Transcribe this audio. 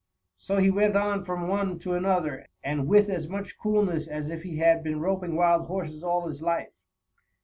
So he went on from one to another, and with as much coolness as if he had been roping wild horses all his life.